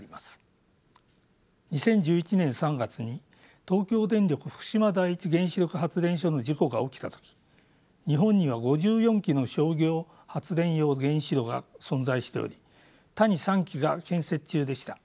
２０１１年３月に東京電力福島第一原子力発電所の事故が起きた時日本には５４基の商業発電用原子炉が存在しており他に３基が建設中でした。